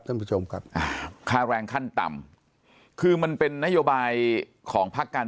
ท่านผู้ชมครับอ่าค่าแรงขั้นต่ำคือมันเป็นนโยบายของพักการ